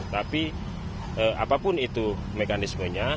tapi apapun itu mekanismenya